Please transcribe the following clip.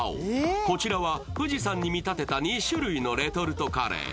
こちらは富士山に見立てた２種類のレトルトカレー。